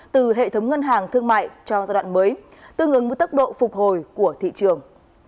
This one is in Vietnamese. từ hệ thống ngân hàng thương mại cho giai đoạn mới tương ứng với tốc độ phục hồi của thị trường